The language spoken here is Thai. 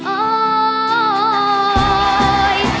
โอ้ย